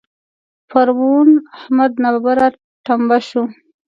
پرون احمد ناببره ټمبه شو.